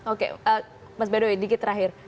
oke mas bedoy dikit terakhir